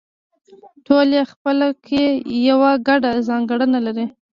ټول یې خپله کې یوه ګډه ځانګړنه لري